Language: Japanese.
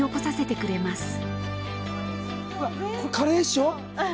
これカレーでしょ？